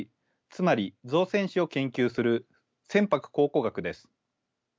つまり造船史を研究する船舶考古学です。